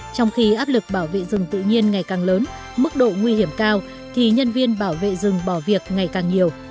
trong khi áp lực bảo vệ rừng tự nhiên ngày càng lớn mức độ nguy hiểm cao thì nhân viên bảo vệ rừng bỏ việc ngày càng nhiều